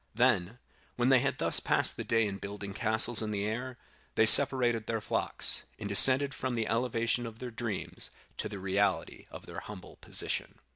Then, when they had thus passed the day in building castles in the air, they separated their flocks, and descended from the elevation of their dreams to the reality of their humble position.